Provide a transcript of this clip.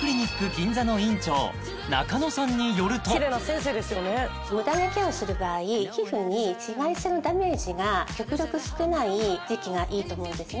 銀座の院長中野さんによるとムダ毛ケアする場合皮膚に紫外線のダメージが極力少ない時期がいいと思うんですね